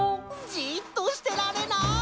「じっとしてられない！」